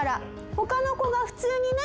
他の子が普通にね